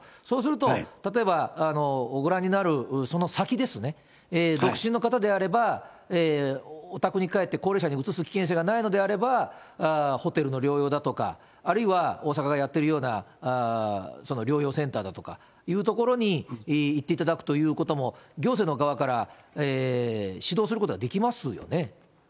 そうすると、例えばご覧になるその先ですね、独身の方あれば、お宅に帰って高齢者にうつす危険性がないのであれば、ホテルの療養だとか、あるいは大阪がやってるような療養センターだとかという所に行っていただくということも、行政の側から指導することはできますよ